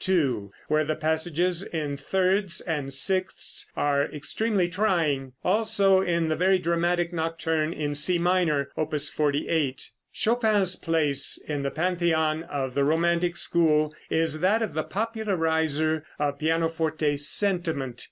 2, where the passages in thirds and sixths are extremely trying; also in the very dramatic nocturne in C minor, Opus 48. Chopin's place in the Pantheon of the romantic school is that of the popularizer of pianoforte sentiment.